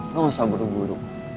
lo gak usah buru buru